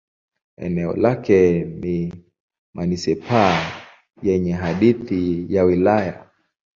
Eneo lake ni manisipaa yenye hadhi ya wilaya.